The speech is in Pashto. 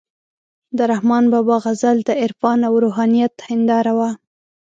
د رحمان بابا غزل د عرفان او روحانیت هنداره وه،